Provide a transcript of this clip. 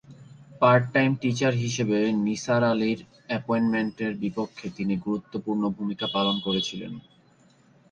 Part time teacher হিসেবে নিসার আলির অ্যাপয়েন্টমেন্টের বিপক্ষে তিনি গুরুত্বপূর্ণ ভূমিকা পালন করেছিলেন।